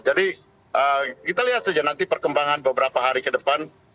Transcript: jadi kita lihat saja nanti perkembangan beberapa hari ke depan